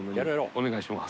お願いします。